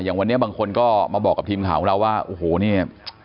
อย่างวันนี้บางคนก็มาบอกกับทีมข่าวของเราว่าโอ้โหเนี่ย